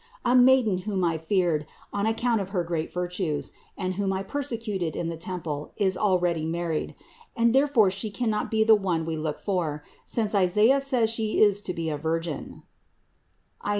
A Maiden whom I feared on account of her great virtues, and whom I persecuted in the temple, is already married; and therefore She can not be the one we look for, since Isaiah says She is to be a Virgin (Is.